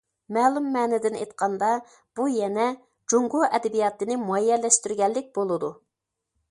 مەلۇم مەنىدىن ئېيتقاندا، بۇ يەنە جۇڭگو ئەدەبىياتىنى مۇئەييەنلەشتۈرگەنلىك بولىدۇ.